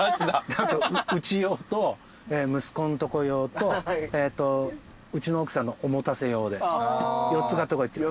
あとうち用と息子んとこ用とうちの奥さんのおもたせ用で４つ買ってこいって。